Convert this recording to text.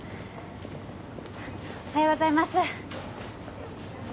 おはようございます。